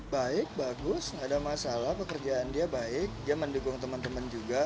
baik bagus tidak ada masalah pekerjaan dia baik dia mendukung teman teman juga